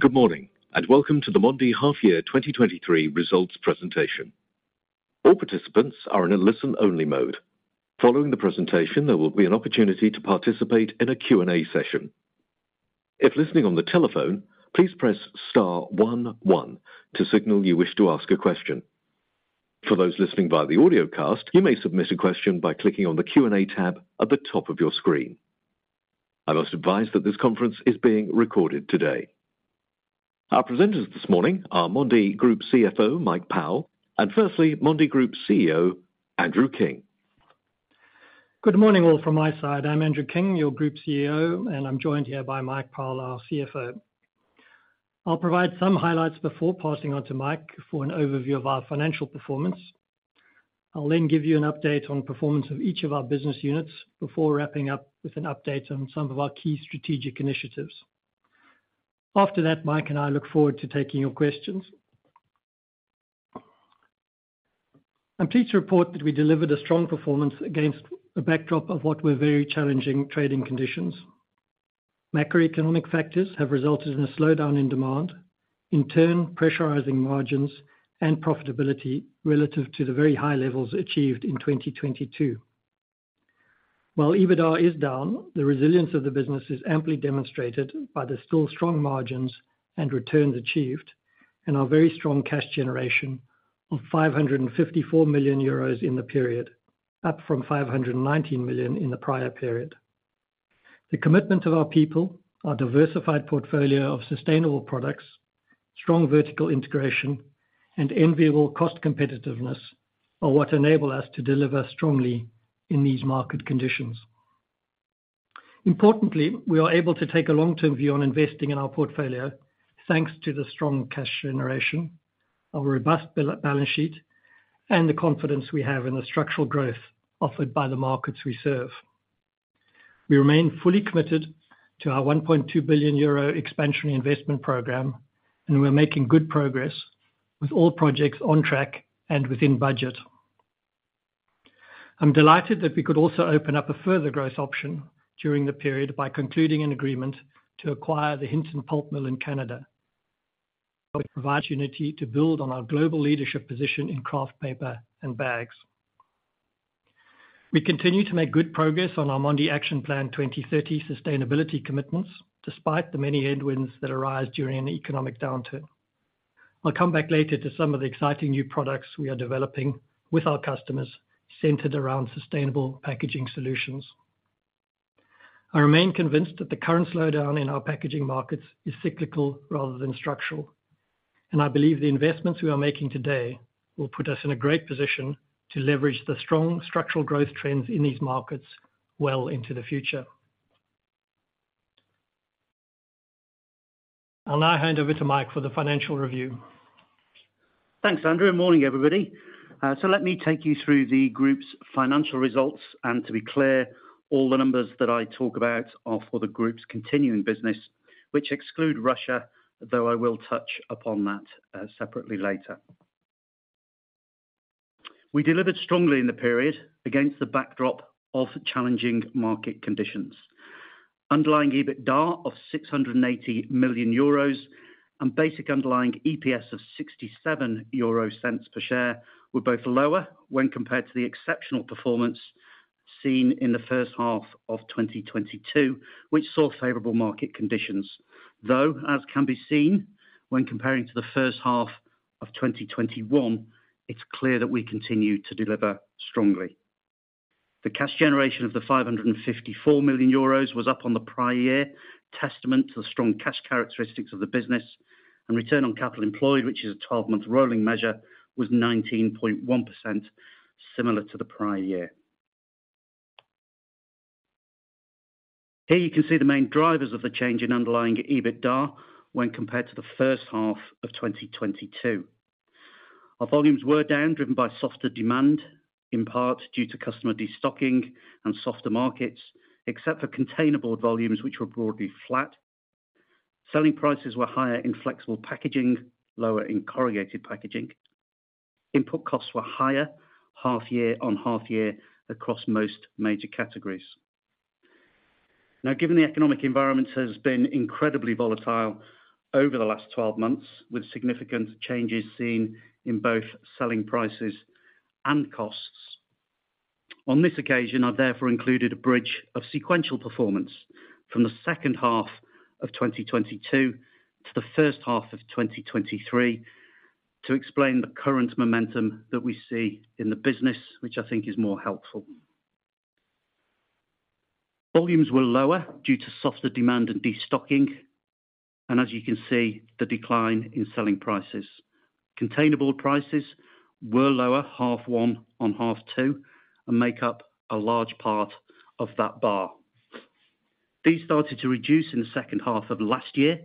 Good morning, and welcome to the Mondi Half Year 2023 Results Presentation. All participants are in a listen-only mode. Following the presentation, there will be an opportunity to participate in a Q&A session. If listening on the telephone, please press star one one to signal you wish to ask a question. For those listening via the audiocast, you may submit a question by clicking on the Q&A tab at the top of your screen. I must advise that this conference is being recorded today. Our presenters this morning are Mondi Group CFO, Mike Powell, and firstly, Mondi Group CEO, Andrew King. Good morning, all from my side. I'm Andrew King, your Group CEO, and I'm joined here by Mike Powell, our CFO. I'll provide some highlights before passing on to Mike for an overview of our financial performance. I'll give you an update on performance of each of our business units before wrapping up with an update on some of our key strategic initiatives. After that, Mike and I look forward to taking your questions. I'm pleased to report that we delivered a strong performance against a backdrop of what were very challenging trading conditions. Macroeconomic factors have resulted in a slowdown in demand, in turn, pressurizing margins and profitability relative to the very high levels achieved in 2022. While EBITDA is down, the resilience of the business is amply demonstrated by the still strong margins and returns achieved, and our very strong cash generation of 554 million euros in the period, up from 519 million in the prior period. The commitment of our people, our diversified portfolio of sustainable products, strong vertical integration, and enviable cost competitiveness, are what enable us to deliver strongly in these market conditions. Importantly, we are able to take a long-term view on investing in our portfolio, thanks to the strong cash generation, our robust balance sheet, and the confidence we have in the structural growth offered by the markets we serve. We remain fully committed to our 1.2 billion euro expansion investment program, We're making good progress with all projects on track and within budget. I'm delighted that we could also open up a further growth option during the period by concluding an agreement to acquire the Hinton Pulp Mill in Canada. It provides unity to build on our global leadership position in kraft paper and bags. We continue to make good progress on our Mondi Action Plan 2030 sustainability commitments, despite the many headwinds that arise during an economic downturn. I'll come back later to some of the exciting new products we are developing with our customers, centered around sustainable packaging solutions. I remain convinced that the current slowdown in our packaging markets is cyclical rather than structural, I believe the investments we are making today will put us in a great position to leverage the strong structural growth trends in these markets well into the future. I'll now hand over to Mike for the financial review. Thanks, Andrew. Morning, everybody. Let me take you through the group's financial results, and to be clear, all the numbers that I talk about are for the group's continuing business, which exclude Russia, though I will touch upon that separately later. We delivered strongly in the period against the backdrop of challenging market conditions. Underlying EBITDA of 680 million euros and basic underlying EPS of 0.67 per share, were both lower when compared to the exceptional performance seen in the first half of 2022, which saw favorable market conditions. As can be seen when comparing to the first half of 2021, it's clear that we continue to deliver strongly. The cash generation of 554 million euros was up on the prior year, testament to the strong cash characteristics of the business, and return on capital employed, which is a 12-month rolling measure, was 19.1%, similar to the prior year. Here you can see the main drivers of the change in underlying EBITDA when compared to the first half of 2022. Our volumes were down, driven by softer demand, in part due to customer destocking and softer markets, except for containerboard volumes, which were broadly flat. Selling prices were higher in flexible packaging, lower in corrugated packaging. Input costs were higher, half year on half year, across most major categories. Now, given the economic environment has been incredibly volatile over the last 12 months, with significant changes seen in both selling prices and costs. On this occasion, I've therefore included a bridge of sequential performance from the second half of 2022 to the first half of 2023, to explain the current momentum that we see in the business, which I think is more helpful. Volumes were lower due to softer demand and destocking, as you can see, the decline in selling prices. containerboard prices were lower, half one on half two, and make up a large part of that bar. These started to reduce in the second half of last year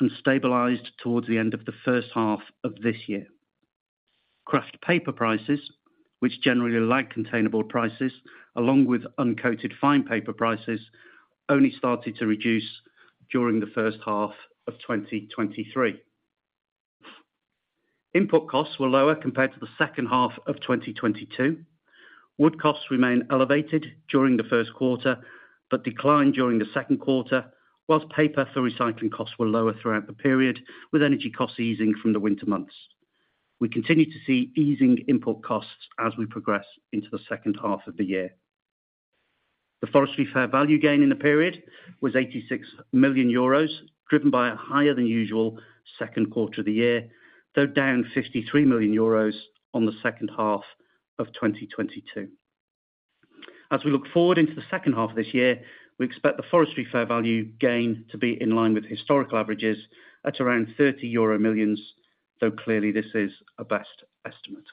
and stabilized towards the end of the first half of this year. Kraft paper prices, which generally lack containerboard prices, along with uncoated fine paper prices, only started to reduce during the first half of 2023. Input costs were lower compared to the second half of 2022. Wood costs remained elevated during the first quarter, but declined during the second quarter, whilst paper for recycling costs were lower throughout the period, with energy costs easing from the winter months. We continue to see easing input costs as we progress into the second half of the year. The forestry fair value gain in the period was 86 million euros, driven by a higher than usual second quarter of the year, though down 53 million euros on the second half of 2022. As we look forward into the second half of this year, we expect the forestry fair value gain to be in line with historical averages at around 30 million euro, though clearly this is a best estimate.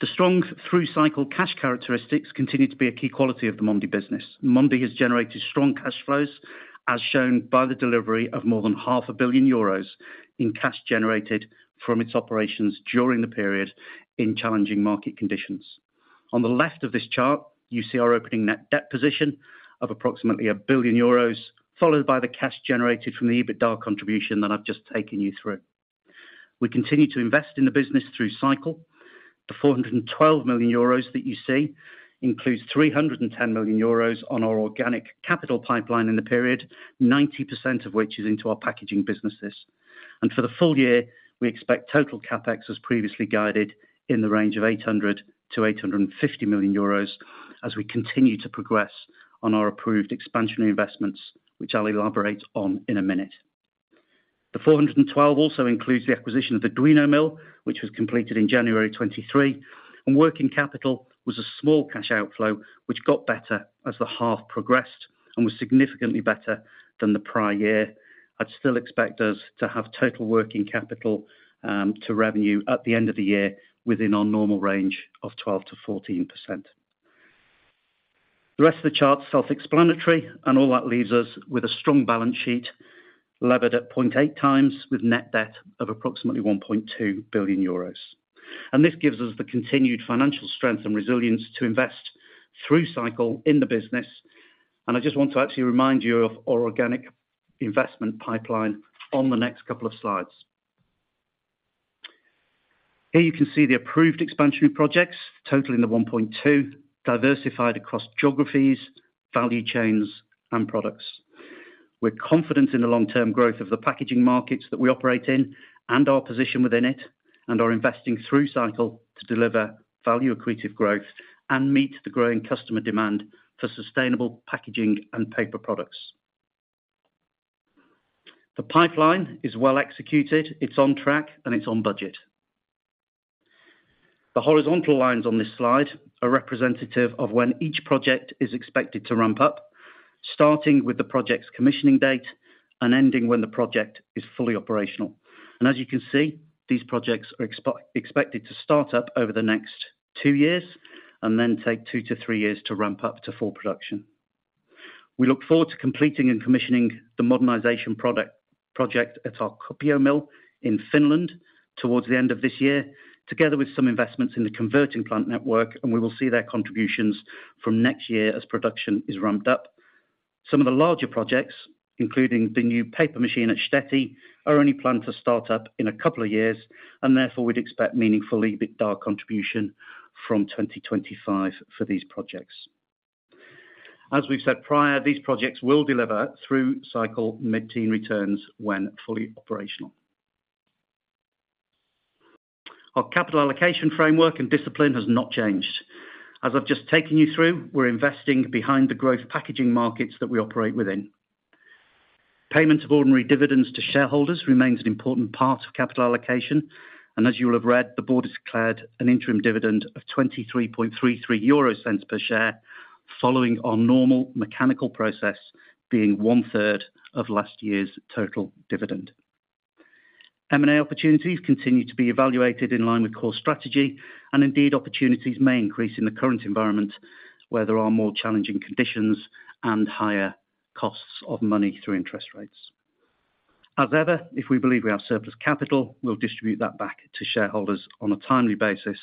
The strong through cycle cash characteristics continue to be a key quality of the Mondi business. Mondi has generated strong cash flows, as shown by the delivery of more than 500 million euros in cash generated from its operations during the period in challenging market conditions. On the left of this chart, you see our opening net debt position of approximately 1 billion euros, followed by the cash generated from the EBITDA contribution that I've just taken you through. We continue to invest in the business through cycle. The 412 million euros that you see includes 310 million euros on our organic capital pipeline in the period, 90% of which is into our packaging businesses. For the full year, we expect total CapEx, as previously guided, in the range of 800 million-850 million euros as we continue to progress on our approved expansionary investments, which I'll elaborate on in a minute. The 412 also includes the acquisition of the Duino Mill, which was completed in January 2023. Working capital was a small cash outflow, which got better as the half progressed and was significantly better than the prior year. I'd still expect us to have total working capital to revenue at the end of the year within our normal range of 12%-14%. The rest of the chart is self-explanatory. All that leaves us with a strong balance sheet, levered at 0.8x with net debt of approximately 1.2 billion euros. This gives us the continued financial strength and resilience to invest through cycle in the business. I just want to actually remind you of our organic investment pipeline on the next couple of slides. Here you can see the approved expansion projects totaling the 1.2, diversified across geographies, value chains, and products. We're confident in the long-term growth of the packaging markets that we operate in and our position within it, and are investing through cycle to deliver value accretive growth and meet the growing customer demand for sustainable packaging and paper products. The pipeline is well executed, it's on track, and it's on budget. The horizontal lines on this slide are representative of when each project is expected to ramp up, starting with the project's commissioning date and ending when the project is fully operational. As you can see, these projects are expected to start up over the next two years and then take two to three years to ramp up to full production. We look forward to completing and commissioning the modernization project at our Kuopio mill in Finland towards the end of this year, together with some investments in the converting plant network, and we will see their contributions from next year as production is ramped up. Some of the larger projects, including the new paper machine at Štětí, are only planned to start up in a couple of years, and therefore we'd expect meaningful EBITDA contribution from 2025 for these projects. As we've said prior, these projects will deliver through cycle mid-teen returns when fully operational. Our capital allocation framework and discipline has not changed. As I've just taken you through, we're investing behind the growth packaging markets that we operate within. Payment of ordinary dividends to shareholders remains an important part of capital allocation, and as you will have read, the board has declared an interim dividend of 0.2333 per share, following our normal mechanical process being one-third of last year's total dividend. M&A opportunities continue to be evaluated in line with core strategy, and indeed, opportunities may increase in the current environment, where there are more challenging conditions and higher costs of money through interest rates. As ever, if we believe we have surplus capital, we'll distribute that back to shareholders on a timely basis,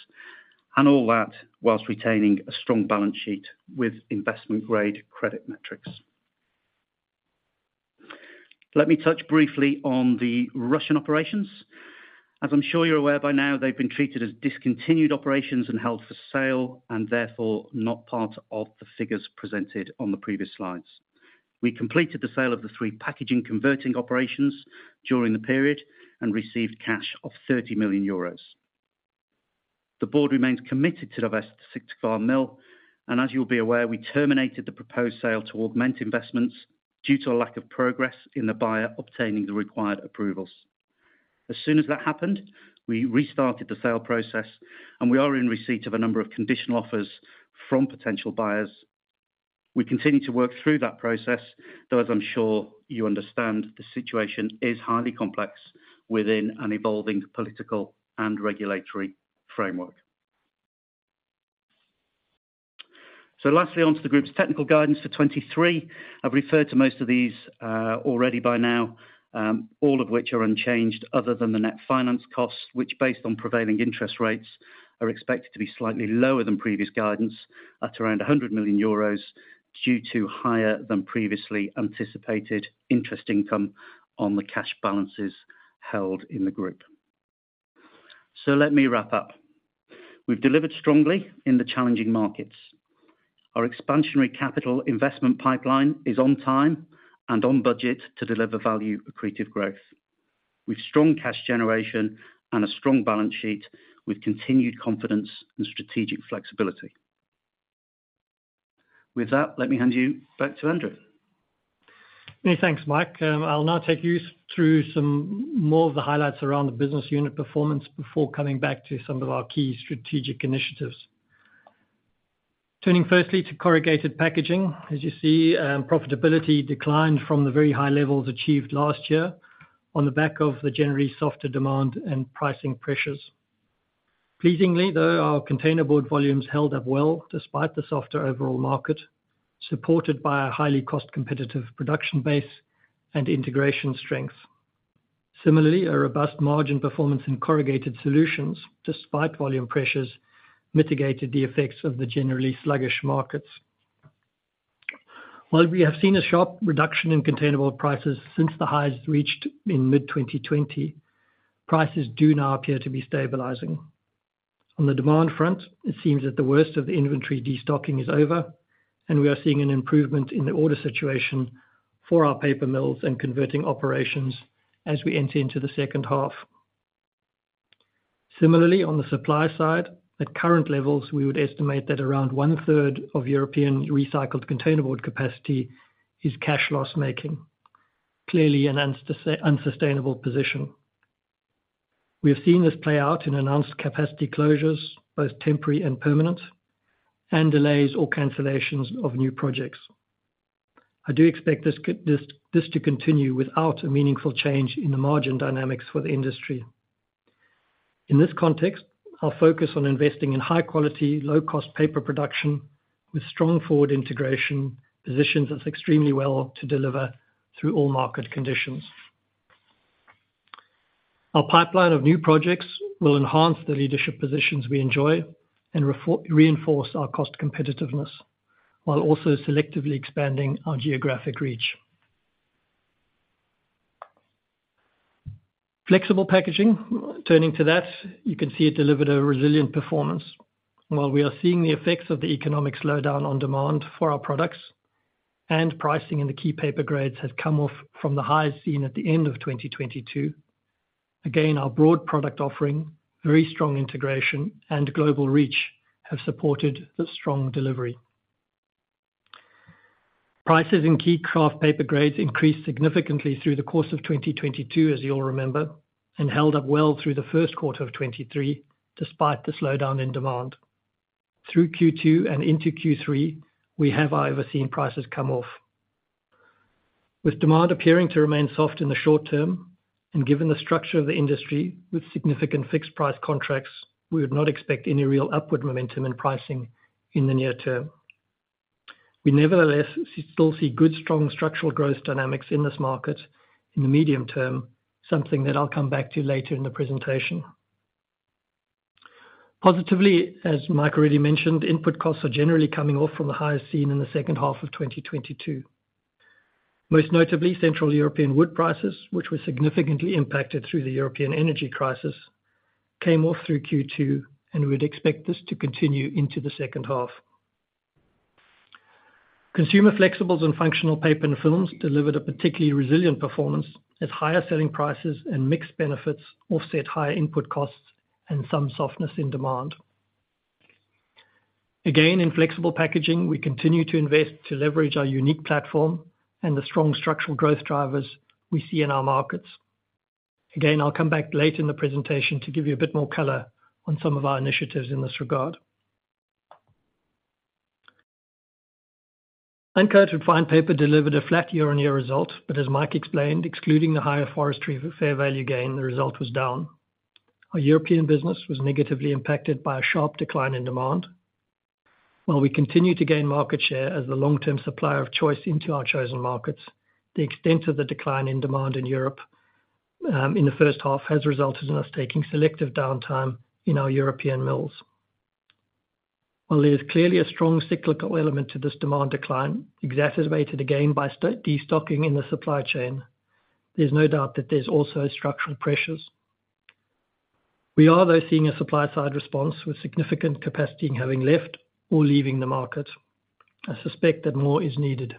and all that whilst retaining a strong balance sheet with investment-grade credit metrics. Let me touch briefly on the Russian operations. As I'm sure you're aware by now, they've been treated as discontinued operations and held for sale, and therefore, not part of the figures presented on the previous slides. We completed the sale of the three packaging converting operations during the period and received cash of 30 million euros. The board remains committed to divest Syktyvkar mill, and as you'll be aware, we terminated the proposed sale to Augment Investments due to a lack of progress in the buyer obtaining the required approvals. Soon as that happened, we restarted the sale process, and we are in receipt of a number of conditional offers from potential buyers. We continue to work through that process, though, as I'm sure you understand, the situation is highly complex within an evolving political and regulatory framework. Lastly, on to the group's technical guidance for 2023. I've referred to most of these already by now, all of which are unchanged other than the net finance costs, which, based on prevailing interest rates, are expected to be slightly lower than previous guidance at around 100 million euros, due to higher than previously anticipated interest income on the cash balances held in the group. Let me wrap up. We've delivered strongly in the challenging markets. Our expansionary capital investment pipeline is on time and on budget to deliver value accretive growth, with strong cash generation and a strong balance sheet, with continued confidence and strategic flexibility. With that, let me hand you back to Andrew. Many thanks, Mike. I'll now take yous through some more of the highlights around the business unit performance before coming back to some of our key strategic initiatives. Turning firstly to corrugated packaging, as you see, profitability declined from the very high levels achieved last year on the back of the generally softer demand and pricing pressures. Pleasingly, though, our containerboard volumes held up well despite the softer overall market, supported by a highly cost competitive production base and integration strength. Similarly, a robust margin performance in corrugated solutions, despite volume pressures, mitigated the effects of the generally sluggish markets. While we have seen a sharp reduction in containerboard prices since the highs reached in mid-2020, prices do now appear to be stabilizing. On the demand front, it seems that the worst of the inventory destocking is over, and we are seeing an improvement in the order situation for our paper mills and converting operations as we enter into the second half. Similarly, on the supply side, at current levels, we would estimate that around one-third of European recycled containerboard capacity is cash loss-making, clearly an unsustainable position. We have seen this play out in announced capacity closures, both temporary and permanent, and delays or cancellations of new projects. I do expect this, this to continue without a meaningful change in the margin dynamics for the industry. In this context, our focus on investing in high quality, low-cost paper production with strong forward integration, positions us extremely well to deliver through all market conditions. Our pipeline of new projects will enhance the leadership positions we enjoy and reinforce our cost competitiveness, while also selectively expanding our geographic reach. Flexible packaging. Turning to that, you can see it delivered a resilient performance. While we are seeing the effects of the economic slowdown on demand for our products, and pricing in the key paper grades has come off from the highs seen at the end of 2022, again, our broad product offering, very strong integration and global reach, have supported the strong delivery. Prices in key kraft paper grades increased significantly through the course of 2022, as you all remember, and held up well through the first quarter of 2023, despite the slowdown in demand. Through Q2 and into Q3, we have, however, seen prices come off. With demand appearing to remain soft in the short term, and given the structure of the industry with significant fixed price contracts, we would not expect any real upward momentum in pricing in the near term. We nevertheless still see good, strong structural growth dynamics in this market in the medium term, something that I'll come back to later in the presentation. Positively, as Mike already mentioned, input costs are generally coming off from the highest seen in the second half of 2022. Most notably, Central European Wood prices, which were significantly impacted through the European energy crisis, came off through Q2, and we'd expect this to continue into the second half. Consumer Flexibles and Functional Paper & Films delivered a particularly resilient performance as higher selling prices and mixed benefits offset higher input costs and some softness in demand. In flexible packaging, we continue to invest to leverage our unique platform and the strong structural growth drivers we see in our markets. I'll come back later in the presentation to give you a bit more color on some of our initiatives in this regard. Uncoated Fine Paper delivered a flat year-on-year result, but as Mike explained, excluding the higher forestry fair value gain, the result was down. Our European business was negatively impacted by a sharp decline in demand. We continue to gain market share as the long-term supplier of choice into our chosen markets, the extent of the decline in demand in Europe in the first half has resulted in us taking selective downtime in our European mills. While there is clearly a strong cyclical element to this demand decline, exacerbated again by destocking in the supply chain, there's no doubt that there's also structural pressures. We are, though, seeing a supply side response with significant capacity having left or leaving the market. I suspect that more is needed.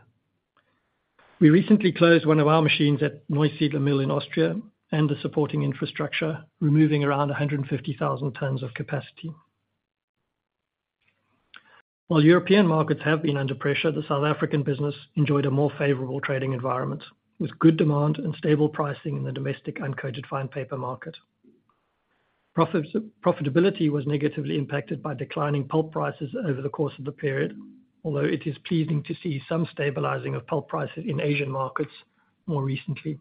We recently closed one of our machines at Neusiedler mill in Austria and the supporting infrastructure, removing around 150,000 tons of capacity. While European markets have been under pressure, the South African business enjoyed a more favorable trading environment, with good demand and stable pricing in the domestic Uncoated Fine Paper market. Profits - profitability was negatively impacted by declining pulp prices over the course of the period, although it is pleasing to see some stabilizing of pulp prices in Asian markets more recently.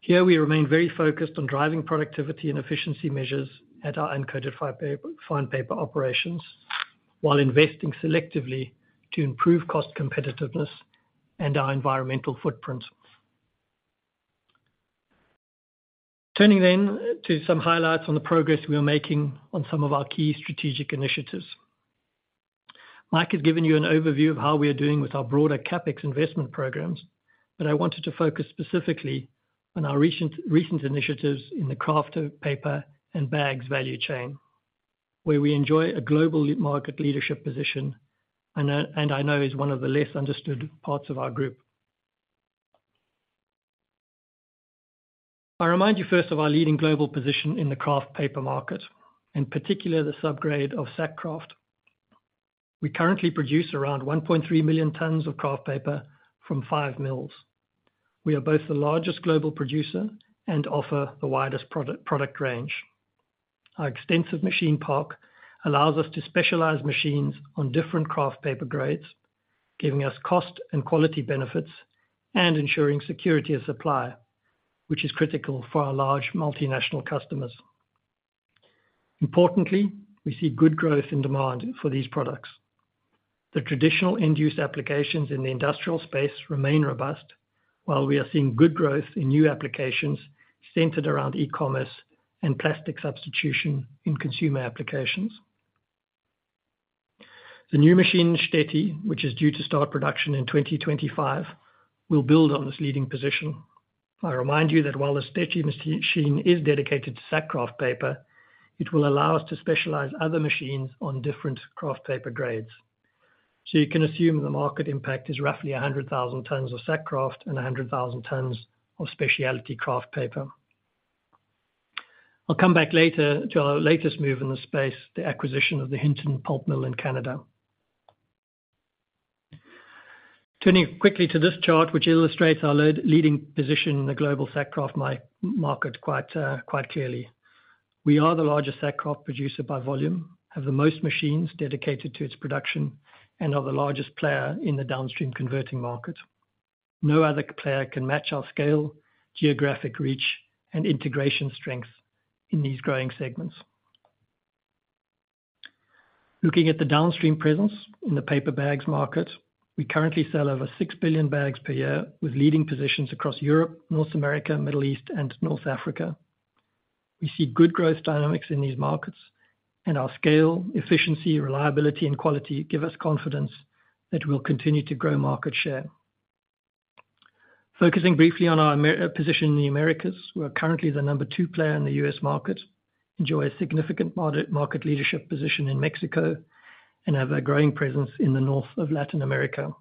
Here, we remain very focused on driving productivity and efficiency measures at our Uncoated Fine Paper operations, while investing selectively to improve cost competitiveness and our environmental footprint. To some highlights on the progress we are making on some of our key strategic initiatives. Mike has given you an overview of how we are doing with our broader CapEx investment programs, I wanted to focus specifically on our recent initiatives in the kraft paper and bags value chain, where we enjoy a global market leadership position and I, and I know is one of the less understood parts of our group. I remind you first of our leading global position in the kraft paper market, in particular, the subgrade of sack kraft. We currently produce around 1.3 million tons of kraft paper from five mills. We are both the largest global producer and offer the widest product, product range. Our extensive machine park allows us to specialize machines on different kraft paper grades, giving us cost and quality benefits and ensuring security of supply, which is critical for our large multinational customers. Importantly, we see good growth in demand for these products. The traditional end-use applications in the industrial space remain robust, while we are seeing good growth in new applications centered around e-commerce and plastic substitution in consumer applications. The new machine, Štětí, which is due to start production in 2025, will build on this leading position. I remind you that while the Štětí machine is dedicated to sack kraft paper, it will allow us to specialize other machines on different kraft paper grades. You can assume the market impact is roughly 100,000 tons of sack kraft and 100,000 tons of specialty kraft paper. I'll come back later to our latest move in the space, the acquisition of the Hinton Pulp Mill in Canada. Turning quickly to this chart, which illustrates our leading position in the global sack kraft market, quite clearly. We are the largest sack kraft producer by volume, have the most machines dedicated to its production, and are the largest player in the downstream converting market. No other player can match our scale, geographic reach, and integration strength in these growing segments. Looking at the downstream presence in the paper bags market, we currently sell over 6 billion bags per year, with leading positions across Europe, North America, Middle East, and North Africa. We see good growth dynamics in these markets, our scale, efficiency, reliability, and quality give us confidence that we'll continue to grow market share. Focusing briefly on our position in the Americas. We are currently the number two player in the U.S. market, enjoy a significant market leadership position in Mexico, and have a growing presence in the north of Latin America.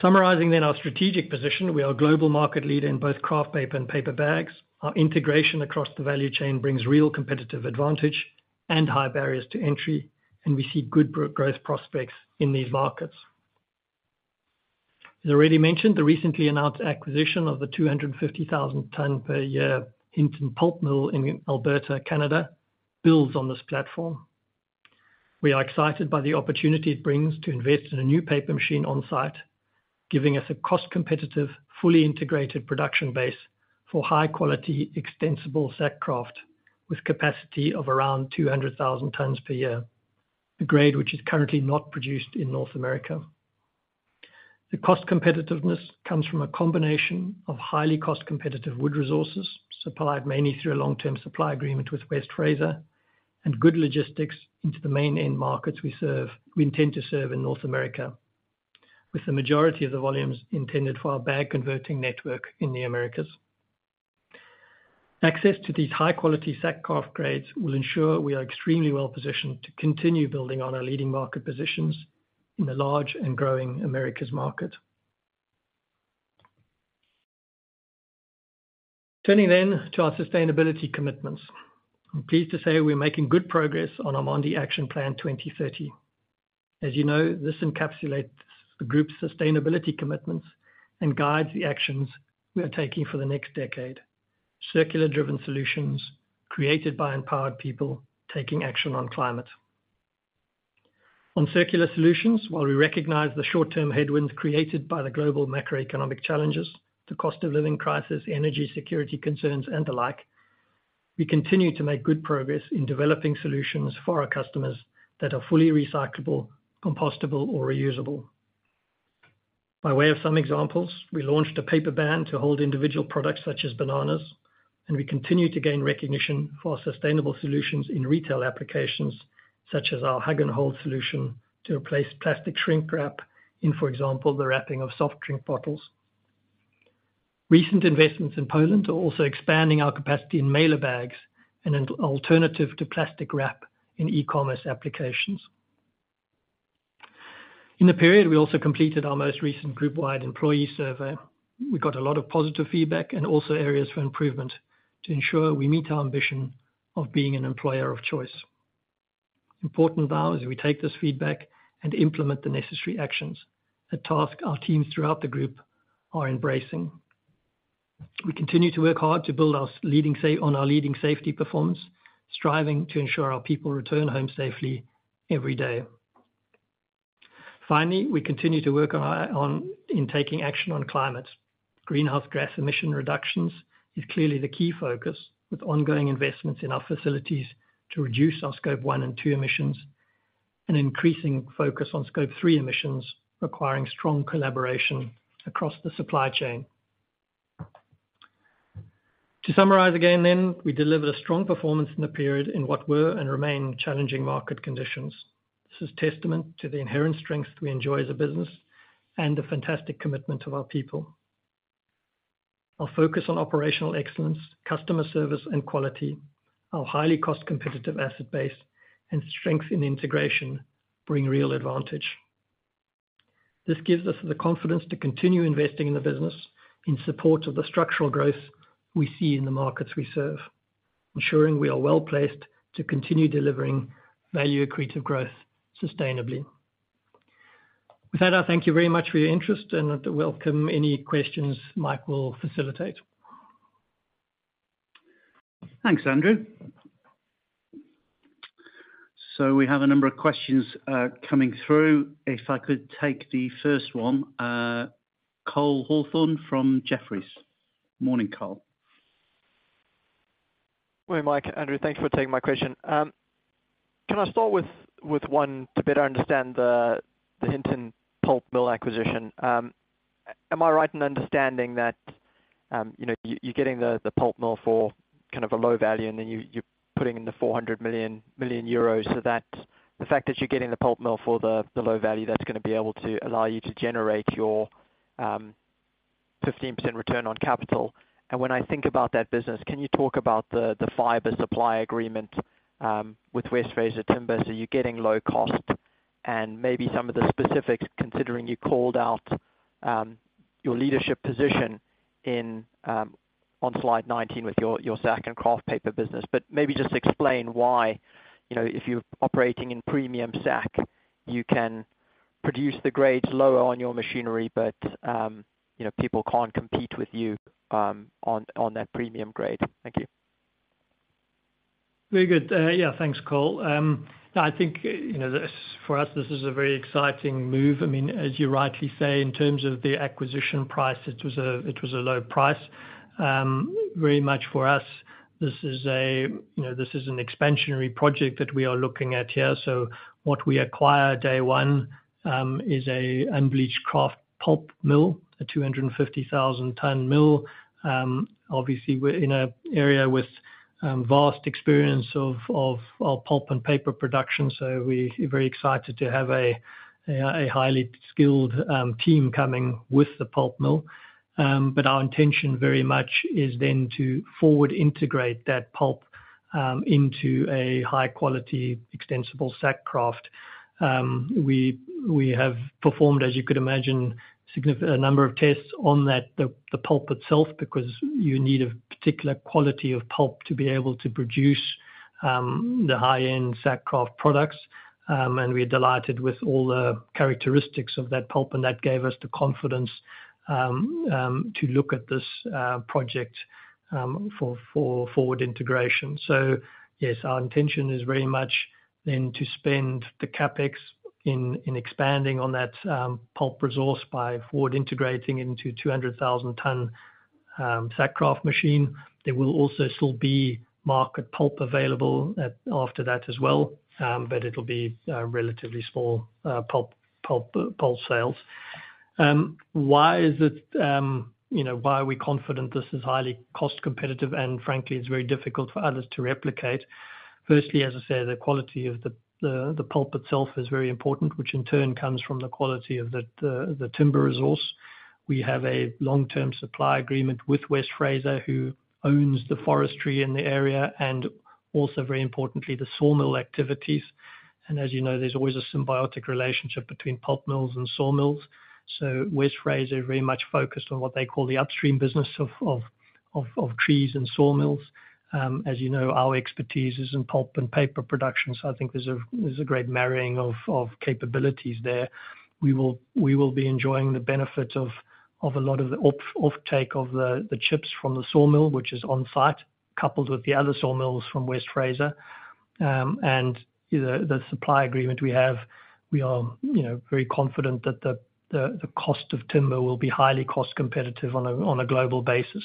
Summarizing our strategic position, we are a global market leader in both kraft paper and paper bags. Our integration across the value chain brings real competitive advantage and high barriers to entry, and we see good growth prospects in these markets. As I already mentioned, the recently announced acquisition of the 250,000 ton per year Hinton Pulp Mill in Alberta, Canada, builds on this platform. We are excited by the opportunity it brings to invest in a new paper machine on site, giving us a cost-competitive, fully integrated production base for high-quality, extensible sack kraft, with capacity of around 200,000 tons per year, a grade which is currently not produced in North America. The cost competitiveness comes from a combination of highly cost-competitive wood resources, supplied mainly through a long-term supply agreement with West Fraser, and good logistics into the main end markets we intend to serve in North America, with the majority of the volumes intended for our bag converting network in the Americas. Access to these high-quality sack kraft grades will ensure we are extremely well-positioned to continue building on our leading market positions in the large and growing Americas market. Turning then to our sustainability commitments. I'm pleased to say we're making good progress on our Mondi Action Plan 2030. As you know, this encapsulates the group's sustainability commitments and guides the actions we are taking for the next decade. Circular-driven solutions created by empowered people, taking action on climate. On circular solutions, while we recognize the short-term headwinds created by the global macroeconomic challenges, the cost of living crisis, energy security concerns, and the like, we continue to make good progress in developing solutions for our customers that are fully recyclable, compostable, or reusable. By way of some examples, we launched a paper band to hold individual products such as bananas, and we continue to gain recognition for our sustainable solutions in retail applications, such as our Hug&Hold solution to replace plastic shrink wrap in, for example, the wrapping of soft drink bottles. Recent investments in Poland are also expanding our capacity in mailer bags and an alternative to plastic wrap in e-commerce applications. In the period, we also completed our most recent group-wide employee survey. We got a lot of positive feedback and also areas for improvement to ensure we meet our ambition of being an employer of choice. Important now is we take this feedback and implement the necessary actions, a task our teams throughout the group are embracing. We continue to work hard to build on our leading safety performance, striving to ensure our people return home safely every day. Finally, we continue to work in taking action on climate. Greenhouse gas emission reductions is clearly the key focus, with ongoing investments in our facilities to reduce our Scope 1 and 2 emissions, an increasing focus on Scope 3 emissions, requiring strong collaboration across the supply chain. To summarize again, we delivered a strong performance in the period in what were and remain challenging market conditions. This is testament to the inherent strength we enjoy as a business and the fantastic commitment of our people. Our focus on operational excellence, customer service, and quality, our highly cost competitive asset base, and strength in integration bring real advantage. This gives us the confidence to continue investing in the business in support of the structural growth we see in the markets we serve, ensuring we are well-placed to continue delivering value-accretive growth sustainably. With that, I thank you very much for your interest and I'd welcome any questions Mike will facilitate. Thanks, Andrew. We have a number of questions coming through. If I could take the first one, Cole Hathorn from Jefferies. Morning, Cole. Morning, Mike, Andrew. Thanks for taking my question. Can I start with, with one to better understand the Hinton Pulp Mill acquisition? Am I right in understanding that, you know, you, you're getting the pulp mill for kind of a low value, and then you, you're putting in the 400 million euros, so that the fact that you're getting the pulp mill for the low value, that's gonna be able to allow you to generate your 15% return on capital? When I think about that business, can you talk about the fiber supply agreement with West Fraser, so you're getting low cost, and maybe some of the specifics, considering you called out your leadership position in, on slide 19 with your, your sack kraft paper business? Maybe just explain why, you know, if you're operating in premium sack kraft, you can produce the grades lower on your machinery, but, you know, people can't compete with you, on, on that premium grade. Thank you. Very good. Yeah, thanks, Cole. I think, you know, this, for us, this is a very exciting move. I mean, as you rightly say, in terms of the acquisition price, it was a, it was a low price. Very much for us, this is a, you know, this is an expansionary project that we are looking at here. What we acquire day one is a unbleached kraft pulp mill, a 250,000 ton mill. Obviously, we're in a area with vast experience of, of, of pulp and paper production, so we're very excited to have a highly skilled team coming with the pulp mill. Our intention very much is then to forward integrate that pulp into a high quality extensible sack kraft. We, we have performed, as you could imagine, a number of tests on that, the, the pulp itself, because you need a particular quality of pulp to be able to produce the high-end sack kraft products. We're delighted with all the characteristics of that pulp, and that gave us the confidence to look at this project for, for forward integration. Yes, our intention is very much then to spend the CapEx in, in expanding on that pulp resource by forward integrating into 200,000 ton sack kraft machine. There will also still be market pulp available at after that as well, but it'll be relatively small pulp sales. Why is it, you know, why are we confident this is highly cost competitive, and frankly, it's very difficult for others to replicate? Firstly, as I said, the quality of the, the, the pulp itself is very important, which in turn comes from the quality of the, the, the timber resource. We have a long-term supply agreement with West Fraser, who owns the forestry in the area and also, very importantly, the sawmill activities. As you know, there's always a symbiotic relationship between pulp mills and sawmills. West Fraser is very much focused on what they call the upstream business of, of, of, of trees and sawmills. As you know, our expertise is in pulp and paper production, so I think there's a, there's a great marrying of, of capabilities there. We will be enjoying the benefits of a lot of the offtake of the chips from the sawmill, which is on site, coupled with the other sawmills from West Fraser. You know, the supply agreement we have, we are, you know, very confident that the cost of timber will be highly cost competitive on a global basis.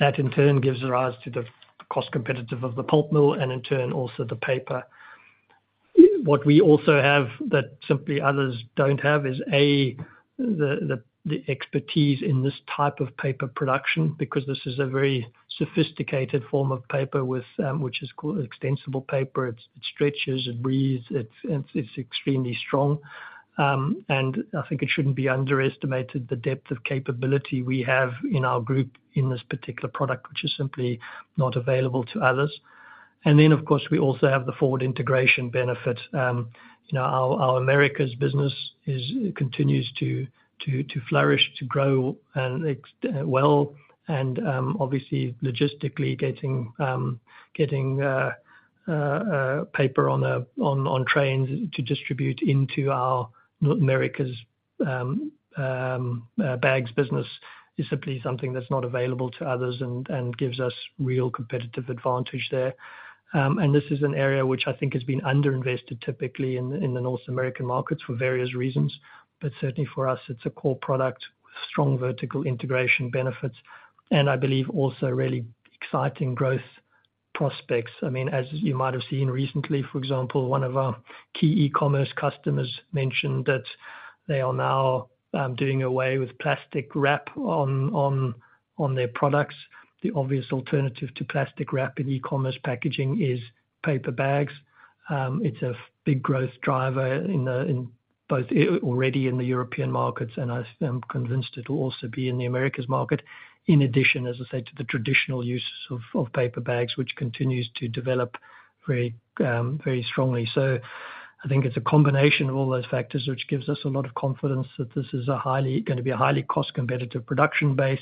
That, in turn, gives rise to the cost competitive of the pulp mill and, in turn, also the paper. What we also have that simply others don't have is, A, the expertise in this type of paper production, because this is a very sophisticated form of paper with which is called extensible paper. It stretches, it breathes, it's extremely strong. I think it shouldn't be underestimated the depth of capability we have in our group in this particular product, which is simply not available to others. Then, of course, we also have the forward integration benefit. You know, our Americas business continues to flourish, to grow, obviously logistically getting paper on trains to distribute into our North Americas bags business is simply something that's not available to others and gives us real competitive advantage there. This is an area which I think has been underinvested typically in the North American markets for various reasons, but certainly for us, it's a core product, strong vertical integration benefits, and I believe also really exciting growth prospects. I mean, as you might have seen recently, for example, one of our key e-commerce customers mentioned that they are now doing away with plastic wrap on their products. The obvious alternative to plastic wrap in e-commerce packaging is paper bags. It's a big growth driver in both already in the European markets, and I am convinced it'll also be in the Americas market. In addition, as I said, to the traditional use of paper bags, which continues to develop very strongly. I think it's a combination of all those factors, which gives us a lot of confidence that this is gonna be a highly cost competitive production base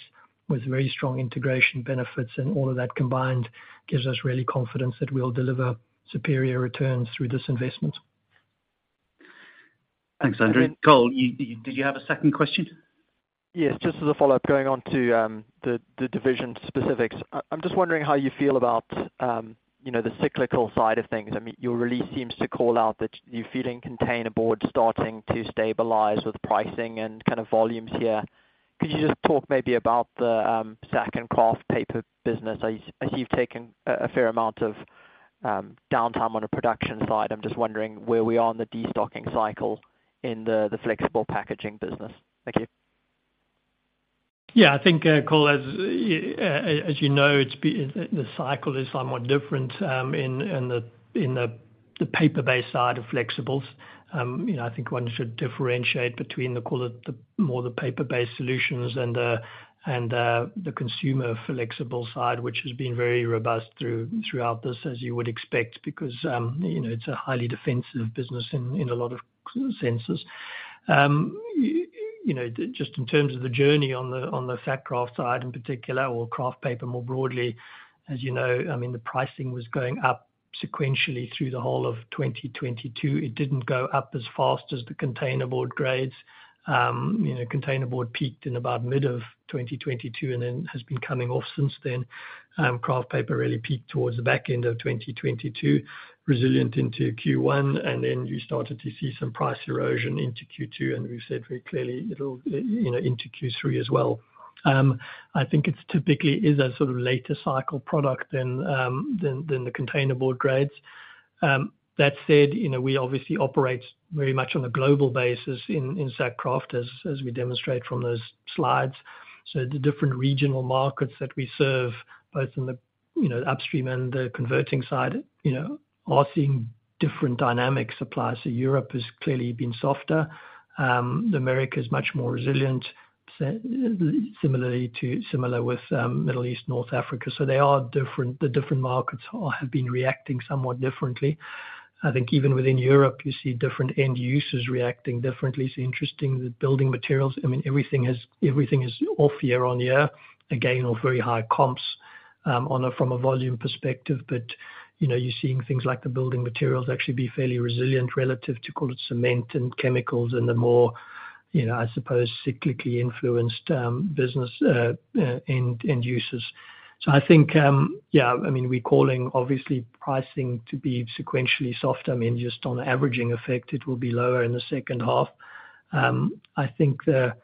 with very strong integration benefits, and all of that combined gives us really confidence that we'll deliver superior returns through this investment. Thanks, Andrew. Cole, did you have a second question? Yes, just as a follow-up, going on to the division specifics. I'm just wondering how you feel about, you know, the cyclical side of things. I mean, your release seems to call out that you're feeling containerboard starting to stabilize with pricing and kind of volumes here. Could you just talk maybe about the sack and kraft paper business, as you've taken a fair amount of downtime on the production side? I'm just wondering where we are in the destocking cycle in the flexible packaging business. Thank you. Yeah, I think, Cole, as you know, it's the cycle is somewhat different in, in the, in the, the paper-based side of flexibles. You know, I think one should differentiate between the, call it, the more the paper-based solutions and, and the consumer flexible side, which has been very robust throughout this, as you would expect, because, you know, it's a highly defensive business in, in a lot of senses. You know, just in terms of the journey on the, on the sack kraft side, in particular, or kraft paper, more broadly, as you know, I mean, the pricing was going up sequentially through the whole of 2022. It didn't go up as fast as the containerboard grades. You know, containerboard peaked in about mid of 2022 and then has been coming off since then. Kraft paper really peaked towards the back end of 2022, resilient into Q1, and then you started to see some price erosion into Q2, and we've said very clearly it'll, you know, into Q3 as well. I think it's typically is a sort of later cycle product than, than the containerboard grades. That said, you know, we obviously operate very much on a global basis in, in sack kraft as, as we demonstrate from those slides. The different regional markets that we serve, both in the, you know, upstream and the converting side, you know, are seeing different dynamic supply. Europe has clearly been softer. The Americas is much more resilient, similar with Middle East, North Africa. They are different. The different markets have been reacting somewhat differently. I think even within Europe, you see different end users reacting differently. It's interesting, the building materials, I mean, everything is, everything is off year-on-year, again, on very high comps, from a volume perspective. You know, you're seeing things like the building materials actually be fairly resilient relative to, call it, cement and chemicals and the more, you know, I suppose, cyclically influenced, business, end users. I think, yeah, I mean, we're calling obviously pricing to be sequentially softer. I mean, just on averaging effect, it will be lower in the second half. I think the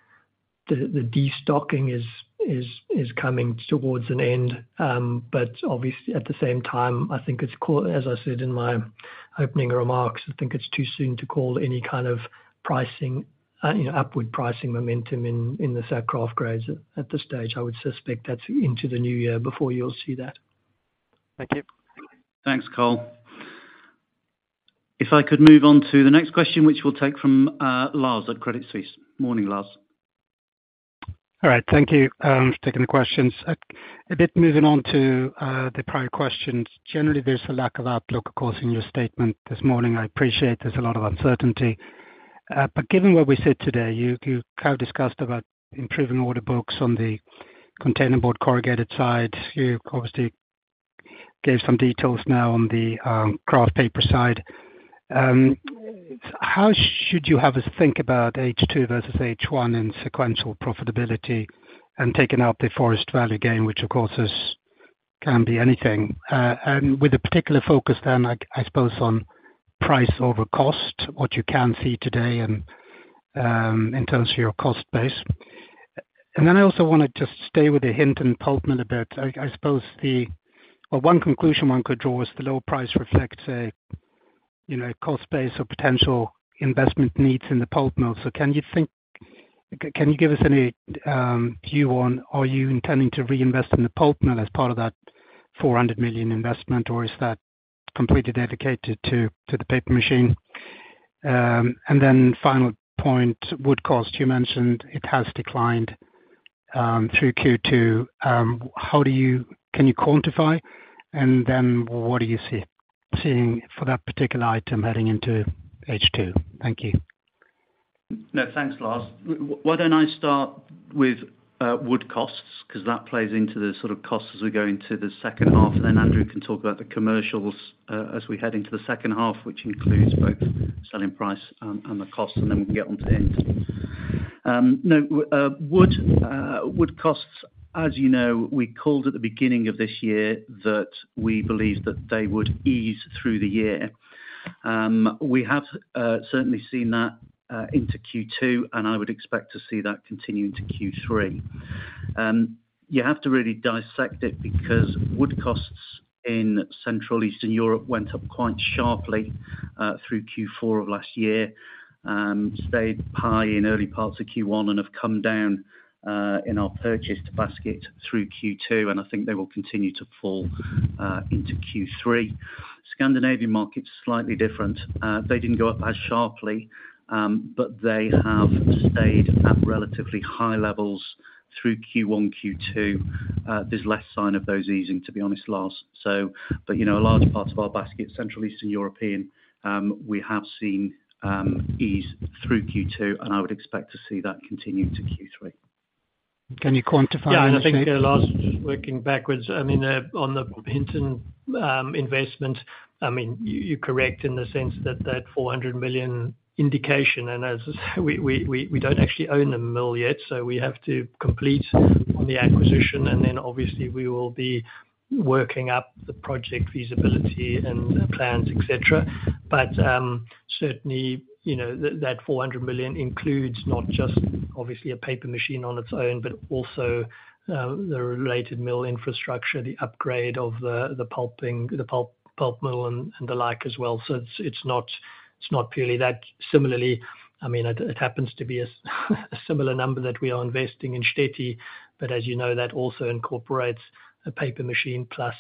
destocking is coming towards an end. Obviously, at the same time, I think it's co- as I said in my opening remarks, I think it's too soon to call any kind of pricing, you know, upward pricing momentum in, in the sack kraft grades at, at this stage. I would suspect that's into the new year before you'll see that. Thank you. Thanks, Cole. If I could move on to the next question, which we'll take from Lars at Credit Suisse. Morning, Lars. All right, thank you, for taking the questions. A bit moving on to the prior questions. Generally, there's a lack of outlook, of course, in your statement this morning. I appreciate there's a lot of uncertainty, but given what we said today, you, you kind of discussed about improving order books on the containerboard corrugated side. You obviously gave some details now on the kraft paper side. How should you have us think about H2 versus H1 in sequential profitability and taking out the forestry fair value gain, which of course, is, can be anything. And with a particular focus then, I, I suppose on price over cost, what you can see today and, in terms of your cost base. And then I also wanna just stay with the Hinton Pulp Mill a bit. I, I suppose the... Well, one conclusion one could draw is the lower price reflects a, you know, a cost base or potential investment needs in the pulp mill. Can you give us any view on, are you intending to reinvest in the pulp mill as part of that 400 million investment, or is that completely dedicated to the paper machine? Then final point, wood cost. You mentioned it has declined through Q2. How do you... Can you quantify, and then what are you seeing for that particular item heading into H2? Thank you. No, thanks, Lars. Why don't I start with wood costs? 'Cause that plays into the sort of costs as we go into the second half, and then Andrew can talk about the commercials as we head into the second half, which includes both selling price and the cost, and then we can get on to end. No, wood costs, as you know, we called at the beginning of this year, that we believed that they would ease through the year. We have certainly seen that into Q2, and I would expect to see that continue into Q3. You have to really dissect it because wood costs in Central Eastern Europe went up quite sharply, through Q4 of last year, and stayed high in early parts of Q1, and have come down in our purchased basket through Q2, and I think they will continue to fall into Q3. Scandinavian market's slightly different. They didn't go up as sharply, but they have stayed at relatively high levels through Q1, Q2. There's less sign of those easing, to be honest, Lars. But, you know, a large part of our basket, Central Eastern European, we have seen ease through Q2, and I would expect to see that continue to Q3. Can you quantify? Yeah, I think, Lars, working backwards, I mean, on the Hinton investment, I mean, you, you're correct in the sense that that 400 million indication, as we, we, we, we don't actually own the mill yet, so we have to complete on the acquisition, and then obviously we will be working up the project feasibility and plans, et cetera. Certainly, you know, that, that 400 million includes not just obviously a paper machine on its own, but also the related mill infrastructure, the upgrade of the, the pulping, the pulp, pulp mill and, and the like as well. It's, it's not, it's not purely that. Similarly, I mean, it happens to be a similar number that we are investing in Štětí, but as you know, that also incorporates a paper machine, plus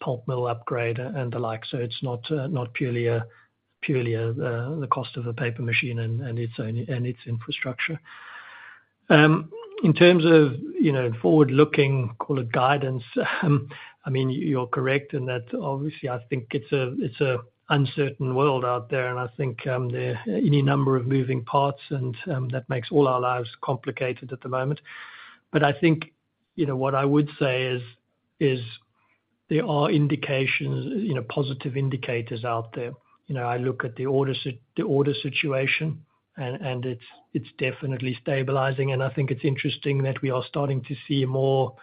pulp mill upgrade and the like. It's not purely a purely the cost of a paper machine and its own infrastructure. In terms of, you know, forward-looking, call it guidance, I mean, you're correct in that obviously I think it's a uncertain world out there, and I think there are any number of moving parts and that makes all our lives complicated at the moment. I think, you know, what I would say is, there are indications, you know, positive indicators out there. You know, I look at the order sit- the order situation, and, and it's, it's definitely stabilizing, and I think it's interesting that we are starting to see a more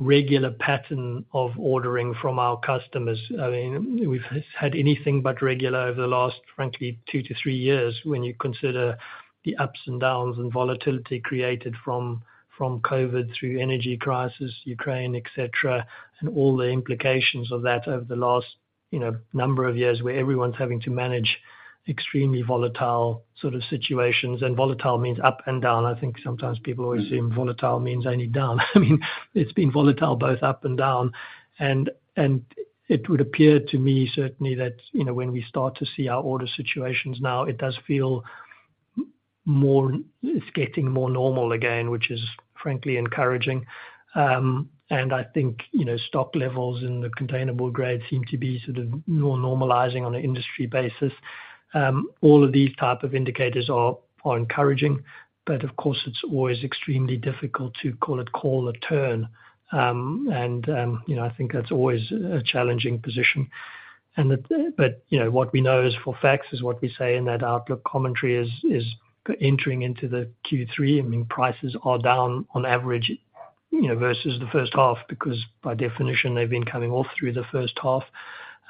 regular pattern of ordering from our customers. I mean, we've had anything but regular over the last, frankly, two to three years, when you consider the ups and downs and volatility created from, from COVID through energy crisis, Ukraine, et cetera, and all the implications of that over the last, you know, number of years, where everyone's having to manage extremely volatile sort of situations. Volatile means up and down. I think sometimes people always assume volatile means only down. I mean, it's been volatile both up and down, and, and it would appear to me certainly that, you know, when we start to see our order situations now, it does feel m- more... It's getting more normal again, which is frankly encouraging. I think, you know, stock levels in the containerboard grade seem to be sort of more normalizing on an industry basis. All of these type of indicators are, are encouraging, but of course, it's always extremely difficult to call it, call a turn. You know, I think that's always a challenging position. You know, what we know is for facts is what we say in that outlook commentary is, is entering into the Q3, I mean, prices are down on average, you know, versus the first half, because by definition, they've been coming off through the first half.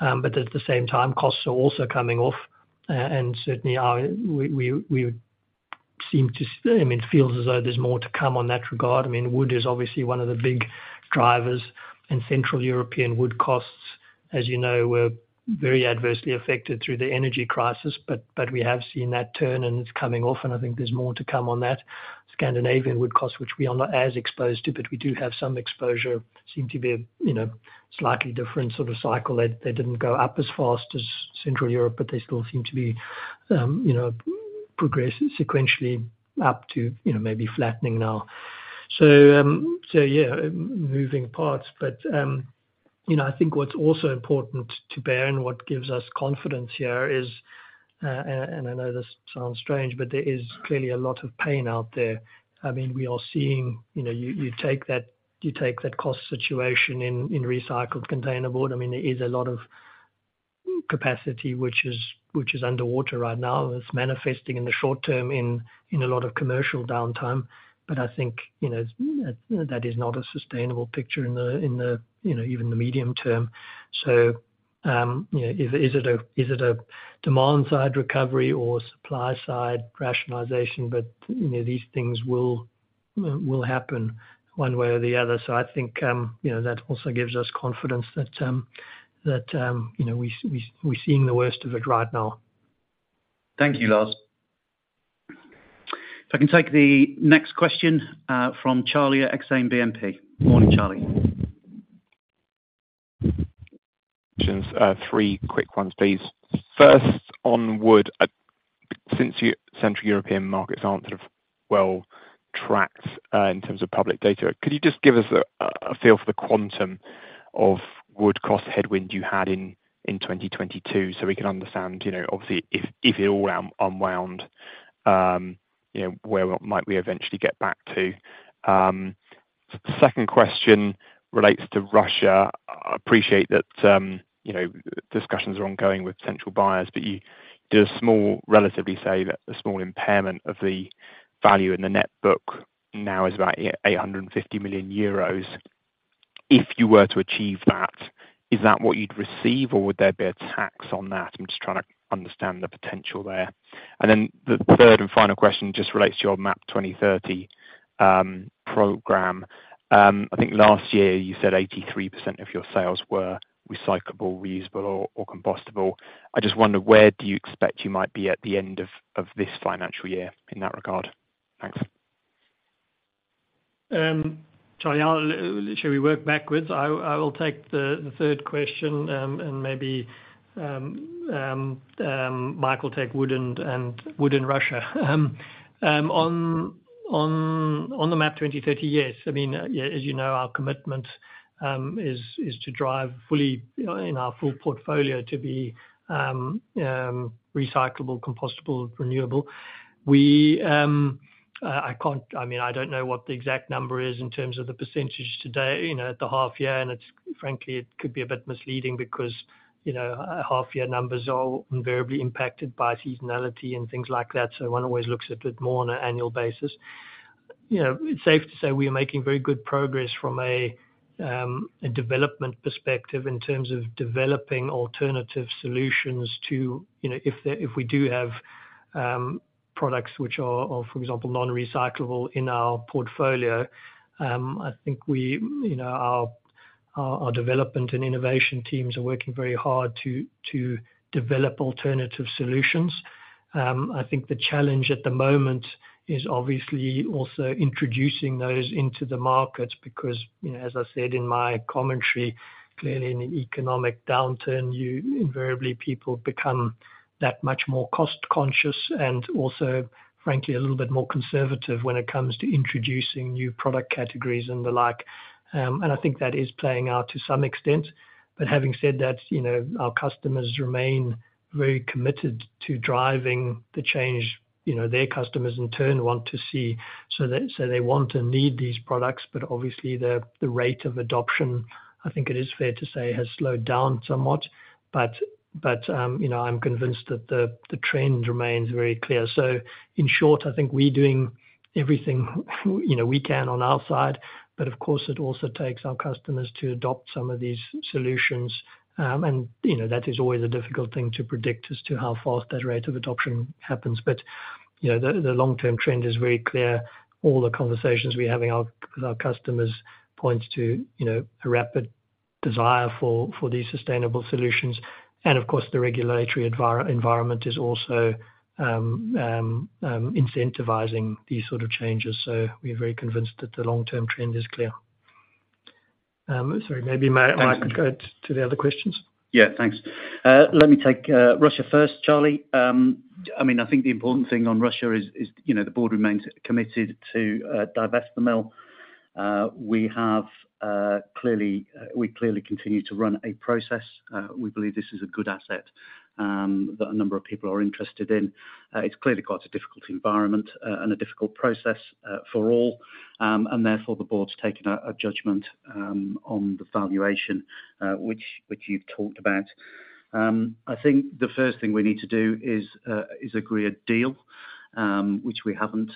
At the same time, costs are also coming off, and certainly are, we seem to, I mean, it feels as though there's more to come on that regard. I mean, wood is obviously one of the big drivers, and Central European Wood costs, as you know, were very adversely affected through the energy crisis, but, but we have seen that turn, and it's coming off, and I think there's more to come on that. Scandinavian wood costs, which we are not as exposed to, but we do have some exposure, seem to be a, you know, slightly different sort of cycle. They, they didn't go up as fast as Central Europe, but they still seem to be, you know, progressing sequentially up to, you know, maybe flattening now. So yeah, moving parts. You know, I think what's also important to bear and what gives us confidence here is... I know this sounds strange, but there is clearly a lot of pain out there. I mean, we are seeing, you know, you, you take that, you take that cost situation in, in recycled containerboard, I mean, there is a lot of capacity, which is, which is underwater right now. It's manifesting in the short term in, in a lot of commercial downtime, but I think, you know, that is not a sustainable picture in the, in the, you know, even the medium term. You know, is, is it a, is it a demand side recovery or supply side rationalization? You know, these things will, will happen one way or the other. I think, you know, that also gives us confidence that, that, you know, we, we, we're seeing the worst of it right now. Thank you, Lars. If I can take the next question, from Charlie at Exane BNP. Morning, Charlie. three quick ones, please. First, on wood, since Central European markets aren't sort of well tracked in terms of public data, could you just give us a feel for the quantum of wood cost headwind you had in 2022, so we can understand, you know, obviously, if it all unwound, you know, where might we eventually get back to? Second question relates to Russia. I appreciate that, you know, discussions are ongoing with potential buyers, but you did a small, relatively, say, a small impairment of the value in the net book, now is about 850 million euros. If you were to achieve that, is that what you'd receive, or would there be a tax on that? I'm just trying to understand the potential there. Then the third and final question just relates to your MAP 2030, program. I think last year you said 83% of your sales were recyclable, reusable, or, or compostable. I just wonder, where do you expect you might be at the end of, of this financial year in that regard? Thanks. Charlie, I'll- shall we work backwards? I, I will take the, the third question. Maybe Michael take wood and, and wood in Russia. On the MAP 2030, yes. I mean, yeah, as you know, our commitment is to drive fully, you know, in our full portfolio to be recyclable, compostable, renewable. We-- I can't... I mean, I don't know what the exact number is in terms of the percentage today, you know, at the half year. It's frankly, it could be a bit misleading because, you know, half year numbers are invariably impacted by seasonality and things like that, so one always looks at it more on an annual basis. You know, it's safe to say we are making very good progress from a, a development perspective in terms of developing alternative solutions to, you know, if we do have products which are for example, non-recyclable in our portfolio, I think we, you know, our, our, our development and innovation teams are working very hard to develop alternative solutions. I think the challenge at the moment is obviously also introducing those into the markets, because, you know, as I said in my commentary, clearly in the economic downturn, you invariably, people become that much more cost conscious, and also frankly, a little bit more conservative when it comes to introducing new product categories and the like. I think that is playing out to some extent. Having said that, you know, our customers remain very committed to driving the change, you know, their customers in turn want to see. They want and need these products, but obviously, the rate of adoption, I think it is fair to say, has slowed down somewhat. You know, I'm convinced that the trend remains very clear. In short, I think we're doing everything you know, we can on our side, but of course, it also takes our customers to adopt some of these solutions. You know, that is always a difficult thing to predict as to how fast that rate of adoption happens. You know, the long-term trend is very clear. All the conversations we're having with our customers point to, you know, a rapid desire for these sustainable solutions. Of course, the regulatory environment is also incentivizing these sort of changes. We are very convinced that the long-term trend is clear. Sorry, maybe, Mike- Thanks. You can go to the other questions. Yeah, thanks. Let me take Russia first, Charlie. I mean, I think the important thing on Russia is, is you know, the board remains committed to divest the mill. We have clearly, we clearly continue to run a process. We believe this is a good asset that a number of people are interested in. It's clearly quite a difficult environment and a difficult process for all. Therefore, the board's taken a judgment on the valuation, which, which you've talked about. I think the first thing we need to do is agree a deal, which we haven't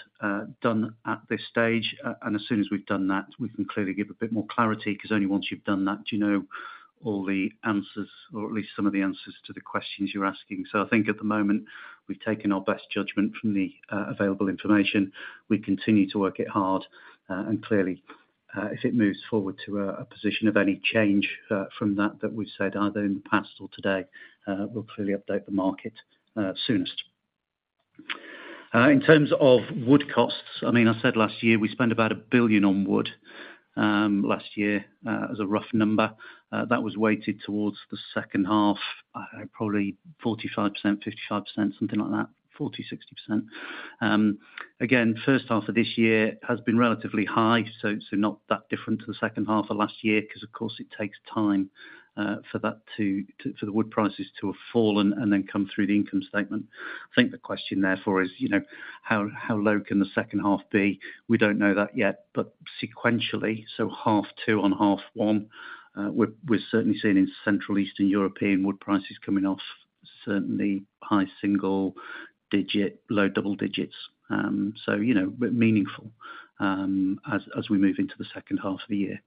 done at this stage. As soon as we've done that, we can clearly give a bit more clarity, because only once you've done that do you know all the answers, or at least some of the answers to the questions you're asking. I think at the moment, we've taken our best judgment from the available information. We continue to work it hard. Clearly, if it moves forward to a position of any change from that, that we've said either in the past or today, we'll clearly update the market soonest. In terms of wood costs, I mean, I said last year we spent about 1 billion on wood last year as a rough number. That was weighted towards the second half, probably 45%, 55%, something like that, 40%, 60%. Again, first half of this year has been relatively high, so, so not that different to the second half of last year, because of course it takes time for that to for the wood prices to have fallen, and then come through the income statement. I think the question therefore is, you know, how, how low can the second half be? We don't know that yet, but sequentially, so half two on half one, we're, we're certainly seeing in Central Eastern European wood prices coming off certainly high single digit, low double digits. So you know, but meaningful, as, as we move into the second half of the year.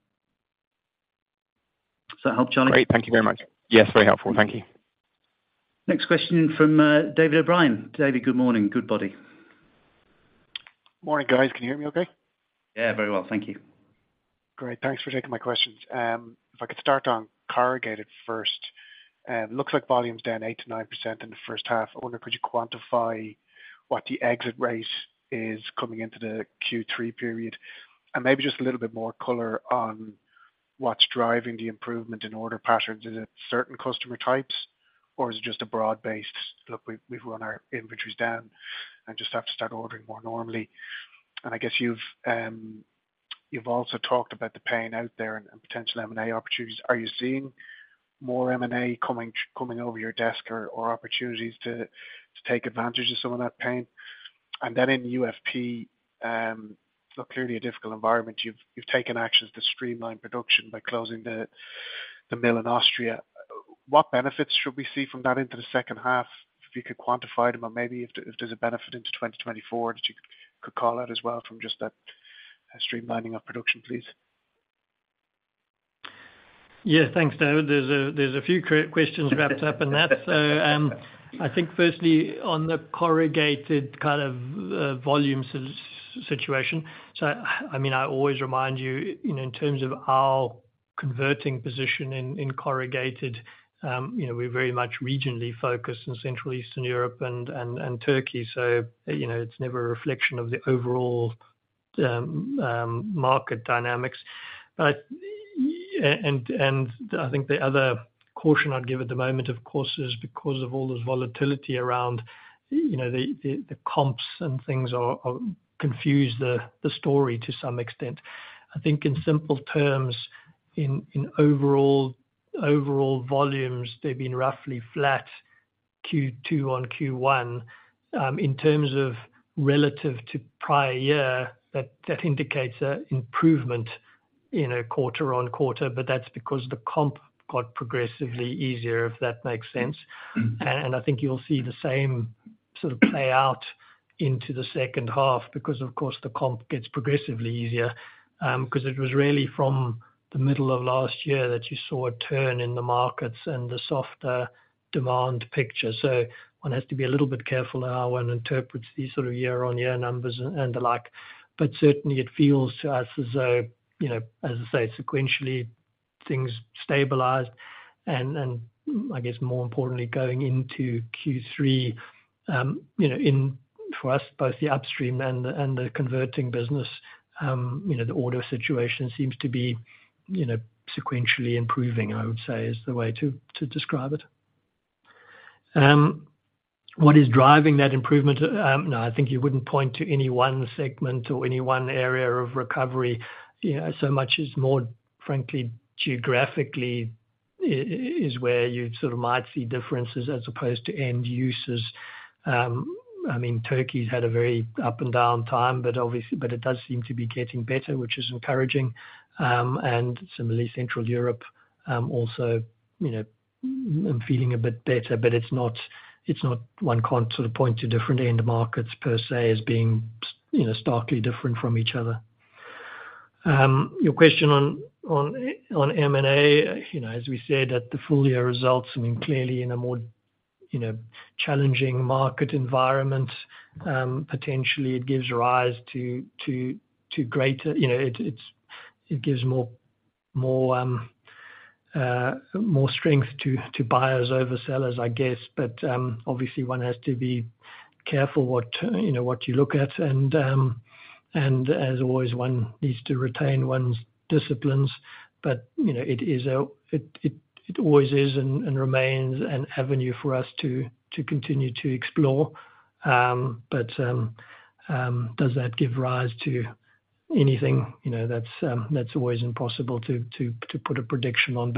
Does that help, Charlie? Great, thank you very much. Yes, very helpful. Thank you. Next question from David O'Brien. David, good morning, Goodbody. Morning, guys. Can you hear me okay? Yeah, very well. Thank you. Great, thanks for taking my questions. If I could start on corrugated first, looks like volume's down 8%-9% in the first half. I wonder, could you quantify what the exit rate is coming into the Q3 period? Maybe just a little bit more color on what's driving the improvement in order patterns. Is it certain customer types, or is it just a broad-based, "Look, we've, we've run our inventories down, and just have to start ordering more normally?" I guess you've also talked about the pain out there and potential M&A opportunities. Are you seeing more M&A coming, coming over your desk or opportunities to take advantage of some of that pain? Then in UFP, clearly a difficult environment, you've taken actions to streamline production by closing the mill in Austria. What benefits should we see from that into the second half? If you could quantify them, or maybe if there, if there's a benefit into 2024 that you could, could call out as well from just that, streamlining of production, please. Yeah, thanks, David. There's a, there's a few questions wrapped up in that. I think firstly, on the corrugated kind of volume situation, I mean, I always remind you, you know, in terms of our converting position in, in corrugated, you know, we're very much regionally focused in Central Eastern Europe and, and, and Turkey. You know, it's never a reflection of the overall market dynamics. And I think the other caution I'd give at the moment, of course, is because of all this volatility around, you know, the, the, the comps and things are confuse the, the story to some extent. I think in simple terms, in, in overall, overall volumes, they've been roughly flat Q2 on Q1. In terms of relative to prior year, that, that indicates a improvement, you know, quarter-on-quarter, but that's because the comp got progressively easier, if that makes sense. Mm-hmm. I think you'll see the same sort of play out into the second half, because of course, the comp gets progressively easier. Because it was really from the middle of last year that you saw a turn in the markets and the softer demand picture. One has to be a little bit careful how one interprets these sort of year-on-year numbers and the like. Certainly it feels to us as though, you know, as I say, sequentially, things stabilized. I guess more importantly, going into Q3, you know, in... for us, both the upstream and the, and the converting business, you know, the order situation seems to be, you know, sequentially improving, I would say is the way to describe it. What is driving that improvement? No, I think you wouldn't point to any one segment or any one area of recovery, you know, so much as more frankly, geographically, is where you sort of might see differences as opposed to end users. I mean, Turkey's had a very up and down time, but obviously, it does seem to be getting better, which is encouraging. Similarly, Central Europe, also, you know, feeling a bit better, but it's not, it's not, one can't sort of point to different end markets per se, as being, you know, starkly different from each other. Your question on, on, on M&A, you know, as we said, at the full year results, I mean, clearly in a more, you know, challenging market environment, potentially it gives rise to, to, to greater, you know, it gives more, more, more strength to, to buyers over sellers, I guess. Obviously one has to be careful what, you know, what you look at. As always, one needs to retain one's disciplines, but, you know, it always is and, and remains an avenue for us to, to continue to explore. Does that give rise to anything? You know, that's, that's always impossible to, to, to put a prediction on.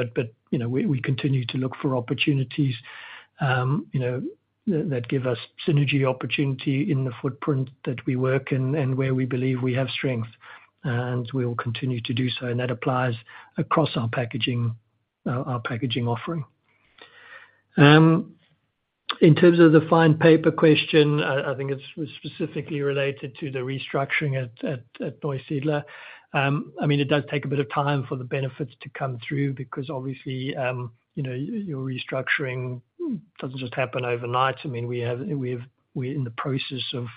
You know, we, we continue to look for opportunities, you know, that give us synergy opportunity in the footprint that we work and, and where we believe we have strength, and we will continue to do so. That applies across our packaging, our packaging offering. In terms of the fine paper question, I, I think it's specifically related to the restructuring at, at, at Neusiedler. I mean, it does take a bit of time for the benefits to come through because obviously, you know, your restructuring doesn't just happen overnight. I mean, we have, we've, we're in the process of,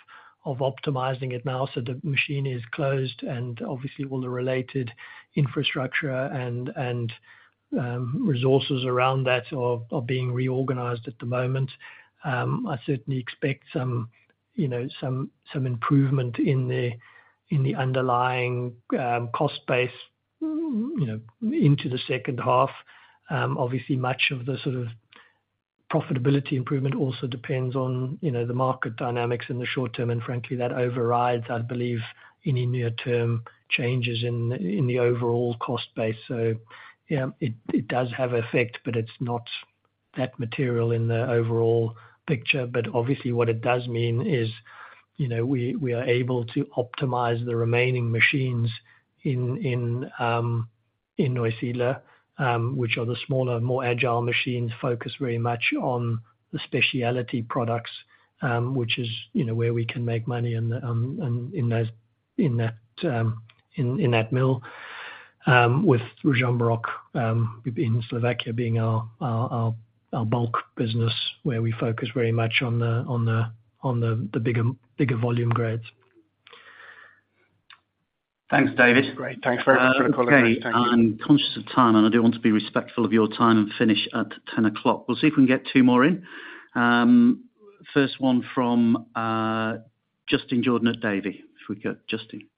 of optimizing it now, so the machine is closed, and obviously all the related infrastructure and, and resources around that are, are being reorganized at the moment. I certainly expect some, you know, some, some improvement in the, in the underlying cost base, you know, into the second half. Obviously, much of the sort of profitability improvement also depends on, you know, the market dynamics in the short term, and frankly, that overrides, I believe, any near-term changes in, in the overall cost base. Yeah, it, it does have effect, but it's not that material in the overall picture. Obviously, what it does mean is, you know, we, we are able to optimize the remaining machines in Neusiedler, which are the smaller, more agile machines, focused very much on the specialty products, which is, you know, where we can make money in the, in those, in that mill. With Ružomberok, in Slovakia being our, our, our, our bulk business, where we focus very much on the, on the, on the, the bigger, bigger volume grades. Thanks, David. Great. Thanks very much for the call. Okay, I'm conscious of time, and I do want to be respectful of your time and finish at 10:00 A.M. We'll see if we can get two more in. First one from Justin Jordan at Davy. If we get Justin.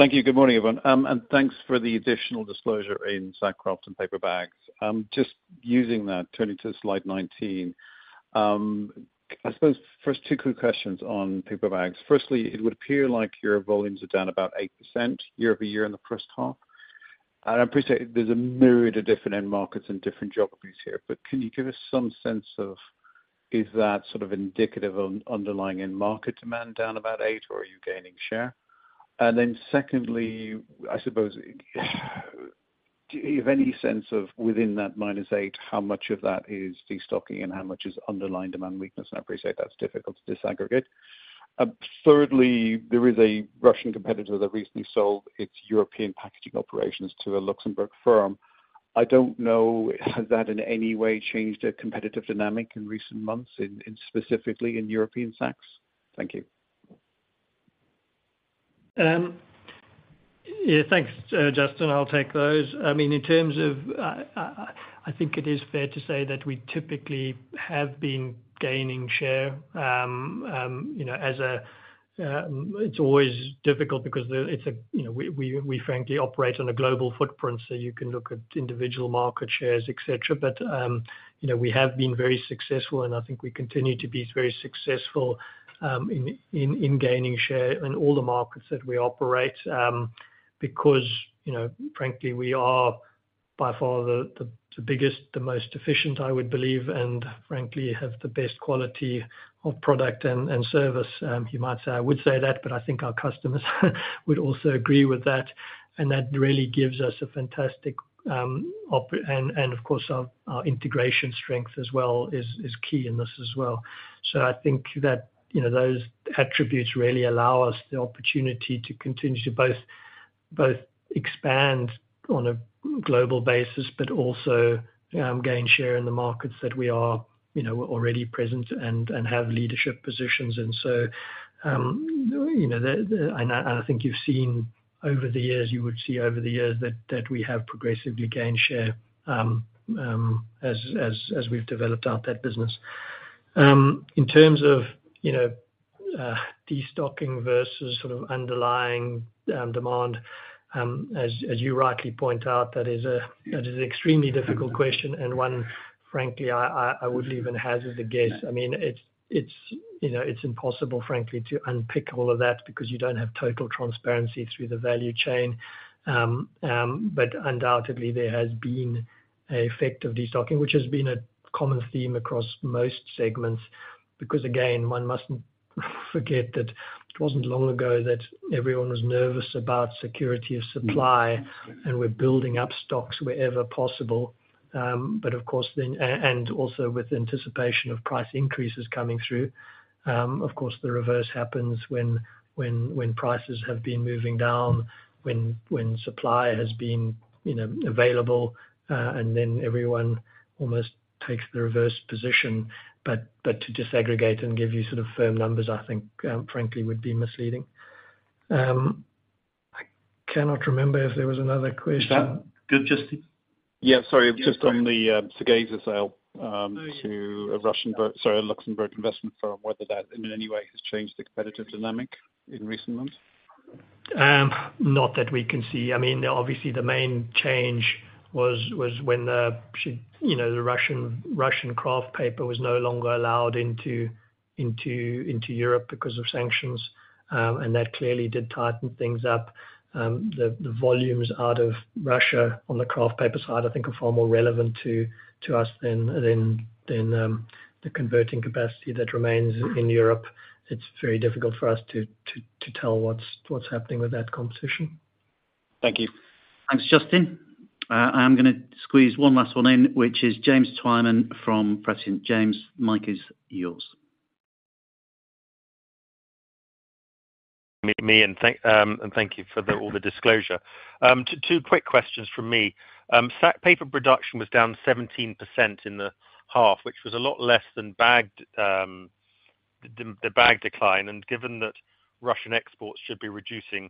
Thank you. Good morning, everyone. Thanks for the additional disclosure in sack kraft and paper bags. Just using that, turning to slide 19, I suppose first, two quick questions on paper bags. Firstly, it would appear like your volumes are down about 8% year-over-year in the first half. I appreciate there's a myriad of different end markets and different geographies here, but can you give us some sense of... Is that sort of indicative of underlying end market demand down about 8%, or are you gaining share? Secondly, I suppose, do you have any sense of within that -8%, how much of that is destocking and how much is underlying demand weakness? I appreciate that's difficult to disaggregate. Thirdly, there is a Russian competitor that recently sold its European packaging operations to a Luxembourg firm. I don't know, has that in any way changed the competitive dynamic in recent months, in specifically in European sacks? Thank you. Yeah, thanks, Justin. I'll take those. I mean, in terms of, I think it is fair to say that we typically have been gaining share. You know, as a, it's always difficult because it's a, you know, we, we, we frankly operate on a global footprint, so you can look at individual market shares, et cetera. You know, we have been very successful, and I think we continue to be very successful, in, in, in gaining share in all the markets that we operate. Because, you know, frankly, we are by far the, the, the biggest, the most efficient, I would believe, and frankly, have the best quality of product and, and service. You might say, I would say that, but I think our customers would also agree with that, and that really gives us a fantastic op-- and, and of course, our, our integration strength as well is, is key in this as well. I think that, you know, those attributes really allow us the opportunity to continue to both expand on a global basis, but also gain share in the markets that we are, you know, already present and, and have leadership positions. The-- and I, I think you've seen over the years, you would see over the years that, that we have progressively gained share as we've developed out that business. In terms of, you know, destocking versus sort of underlying demand, as, as you rightly point out, that is a, that is an extremely difficult question, and one, frankly, I, I, I wouldn't even hazard a guess. I mean, it's, it's, you know, it's impossible, frankly, to unpick all of that because you don't have total transparency through the value chain. Undoubtedly, there has been a effect of destocking, which has been a common theme across most segments. Because again, one mustn't forget that it wasn't long ago that everyone was nervous about security of supply, and we're building up stocks wherever possible. Of course, then and also with anticipation of price increases coming through, of course, the reverse happens when, when, when prices have been moving down, when, when supply has been, you know, available, and then everyone almost takes the reverse position. To disaggregate and give you sort of firm numbers, I think, frankly, would be misleading. I cannot remember if there was another question. Is that good, Justin? Yeah, sorry, just on the, Segezha sale, to a Russian, sorry, Luxembourg investment firm, whether that in any way has changed the competitive dynamic in recent months? Not that we can see. I mean, obviously the main change was, was when the, you know, the Russian, Russian kraft paper was no longer allowed into, into, into Europe because of sanctions, and that clearly did tighten things up. The, the volumes out of Russia on the kraft paper side, I think are far more relevant to, to us than, than, than, the converting capacity that remains in Europe. It's very difficult for us to, to, to tell what's, what's happening with that competition. Thank you. Thanks, Justin. I'm gonna squeeze one last one in, which is James Twyman from Prescient. James, mic is yours. Thank, and thank you for the, all the disclosure. Two, two quick questions from me. Sack paper production was down 17% in the half, which was a lot less than bagged, the, the bag decline, and given that Russian exports should be reducing,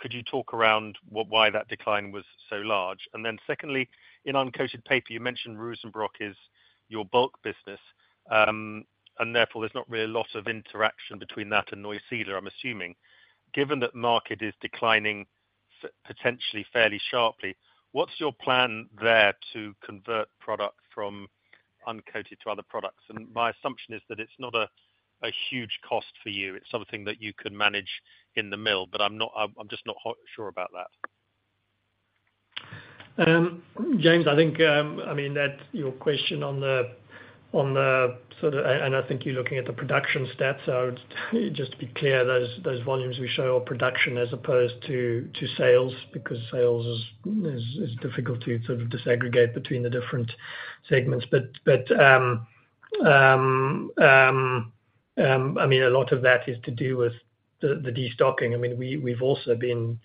could you talk around why that decline was so large? Then secondly, in uncoated paper, you mentioned Ružomberok is your bulk business, and therefore there's not really a lot of interaction between that and Neusiedler, I'm assuming. Given that market is declining potentially fairly sharply, what's your plan there to convert product from uncoated to other products? My assumption is that it's not a, a huge cost for you, it's something that you can manage in the mill, but I'm not... I'm, I'm just not sure about that. James, I think, I mean, that your question on the, on the sort of... I think you're looking at the production stats, so just to be clear, those volumes we show are production as opposed to sales, because sales is difficult to sort of disaggregate between the different segments. I mean, a lot of that is to do with the destocking. I mean, we've also been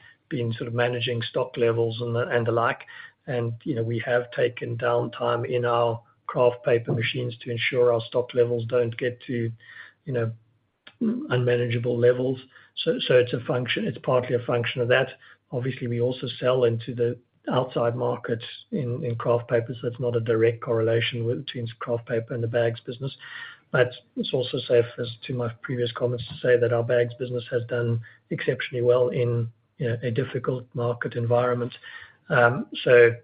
managing stock levels and the like, and, you know, we have taken downtime in our kraft paper machines to ensure our stock levels don't get to, you know, unmanageable levels. It's a function, it's partly a function of that. Obviously, we also sell into the outside markets in kraft papers. There's not a direct correlation between kraft paper and the bags business. It's also safe as to my previous comments, to say that our bags business has done exceptionally well in, you know, a difficult market environment.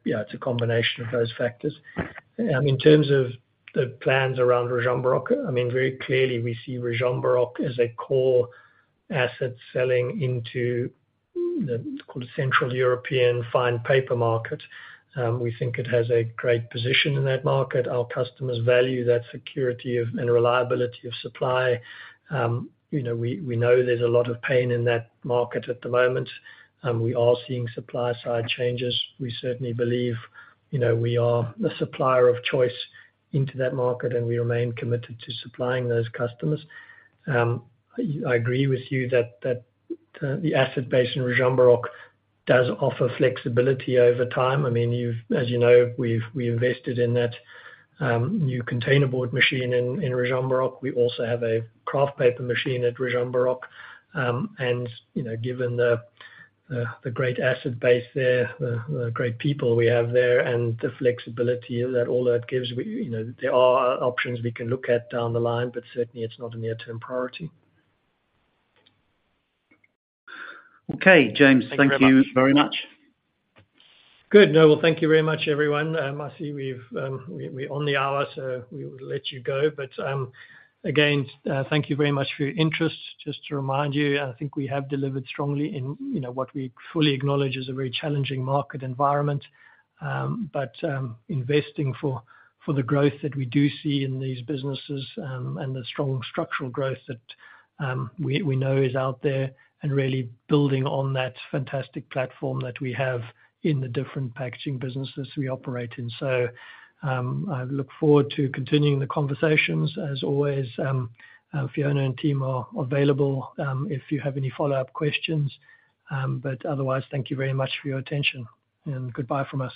Yeah, it's a combination of those factors. In terms of the plans around Ružomberok, I mean, very clearly we see Ružomberok as a core asset selling into, called a Central European fine paper market. We think it has a great position in that market. Our customers value that security of, and reliability of supply. You know, we, we know there's a lot of pain in that market at the moment, and we are seeing supply side changes. We certainly believe, you know, we are the supplier of choice into that market, and we remain committed to supplying those customers. I, I agree with you that, that, the asset base in Ružomberok does offer flexibility over time. I mean, you've, as you know, we've, we invested in that new containerboard machine in Ružomberok. We also have a kraft paper machine at Ružomberok, and, you know, given the, the, the great asset base there, the, the great people we have there and the flexibility that all that gives we, you know, there are options we can look at down the line, but certainly it's not a near-term priority. Okay, James, thank you very much. Good. No, well, thank you very much, everyone. I see we've, we, we're on the hour, we will let you go. Again, thank you very much for your interest. Just to remind you, I think we have delivered strongly in, you know, what we fully acknowledge is a very challenging market environment. Investing for, for the growth that we do see in these businesses, and the strong structural growth that we, we know is out there, and really building on that fantastic platform that we have in the different packaging businesses we operate in. I look forward to continuing the conversations. As always, Fiona and team are available, if you have any follow-up questions. Otherwise, thank you very much for your attention, and goodbye from us.